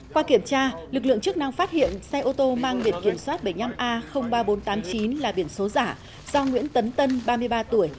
qua kiểm tra lực lượng chức năng phát hiện xe ô tô mang biển kiểm soát bảy mươi năm a ba nghìn bốn trăm tám mươi chín là biển số giả do nguyễn tấn tân ba mươi ba tuổi